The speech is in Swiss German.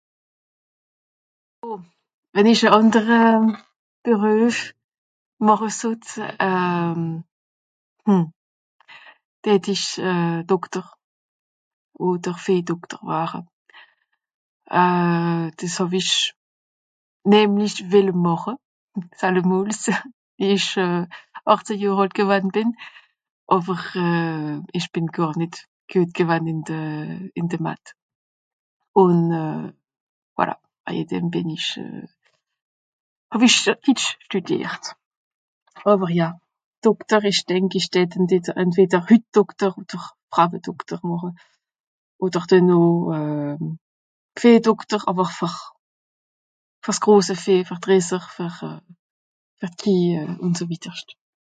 Oh... wenn ich e àndere Beruef màche sott, euh... hm... dätt ich euh Dokter odder Vìehdokter ware. Euh... dìs hàw-ich nämlich wìlle màche, sallemols. wie ich euh... àchtzeh Johr àlt gewann bìn, àwer euh... ìch bìn gàr nìt güet gewann ìn de... ìn de Math. Ùn euh... voilà. Waje dem bìn ìch euh... hàw-ich Ditsch stüdìert. Àwer ja, Dokter ìch denk ìch dätt entweder Hüttdokter odder Frawedokter màche odder denoh euh... Viehdokter àwer fer... fer s grose Vieh fer d'Resser, fer d'Kieh euh ùn so wìdderscht.